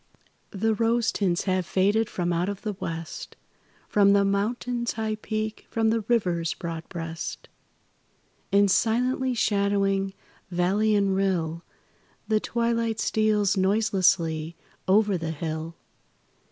The rose tints have faded from out of the West, From the Mountain's high peak, from the river's broad breast. And, silently shadowing valley and rill, The twilight steals noiselessly over the hill.